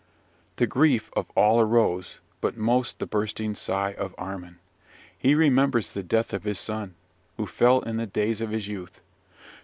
"The grief of all arose, but most the bursting sigh of Armin. He remembers the death of his son, who fell in the days of his youth.